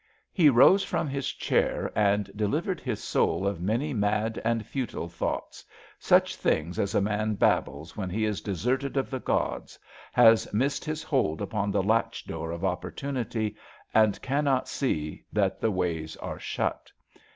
He rose from his chair and delivered his soul of many mad and futile thoughts — such things as a man babbles when he is deserted of the gods, has missed his hold upon the latch door of Opportunity — and cannot see that the ways are shut.